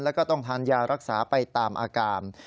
แล้วก็ต้องทานยารักษาไปตามอาการ